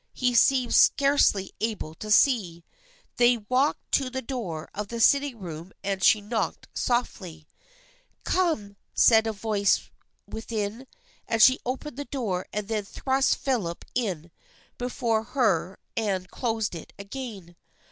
He seemed scarcely able to see. They walked to the door of the sitting room and she knocked softly. THE FRIENDSHIP OF ANNE 315 " Come !" said a voice within, and she opened the door and then thrust Philip in before her and closed it again.